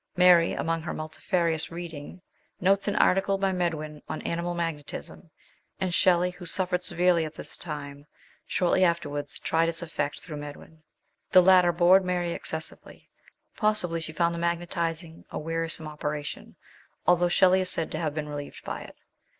Mary, among her multifarious reading, notes an article by Medwin on Animal Magnetism, and Shelley, who suffered severely at this time, shortly afterwards tried its effect through Medwin. The latter bored Mary excessively ; possibly she found the magnetising a wearisome operation, although Shelley is said to have been relieved by it.